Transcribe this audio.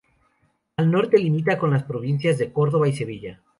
Al norte limita con las provincias de Córdoba y Sevilla.